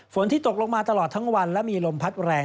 ที่ตกลงมาตลอดทั้งวันและมีลมพัดแรง